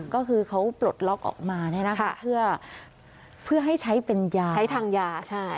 ก็คือเขาปลดล็อกออกมาเพื่อให้ใช้เป็นยาใช้ทางยา